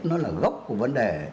nó là gốc của vấn đề